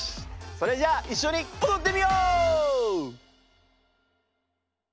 それじゃいっしょにおどってみよう！